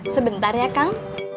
sebentar ya kang